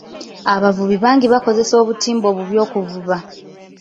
Abavubi bangi bakozesa obutimba obubi okuvuba.